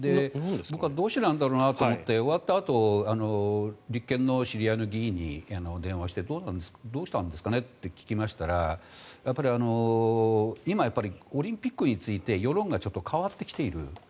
僕はどうしてなんだろうと思って終わったあとに立憲の知り合いの議員に電話をしてどうしたんですかねと聞きましたらやっぱり、今オリンピックについて世論がちょっと変わってきている。